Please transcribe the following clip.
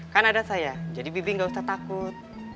kan ada saya jadi bibik gak usah takut